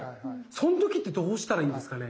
その時ってどうしたらいいんですかね。